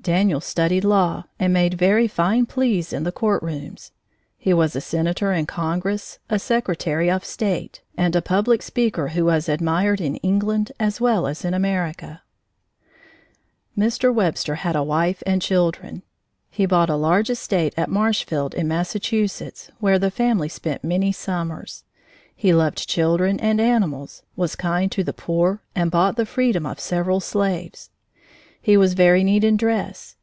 Daniel studied law and made very fine pleas in the courtrooms. He was a senator in Congress, a secretary of state, and a public speaker who was admired in England as well as in America. Mr. Webster had a wife and children. He bought a large estate at Marshfield in Massachusetts, where the family spent many summers. He loved children and animals, was kind to the poor, and bought the freedom of several slaves. He was very neat in dress.